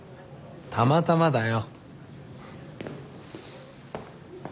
たまたまだよ。